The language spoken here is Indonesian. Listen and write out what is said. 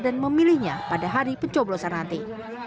dan memilihnya pada hari pencoblosan nanti